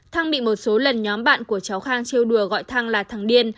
thăng bị một số lần nhóm bạn của cháu khang trêu đùa gọi thăng là thẳng điên